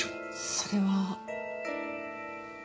それは。